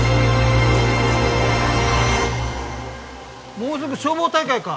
もうすぐ消防大会か。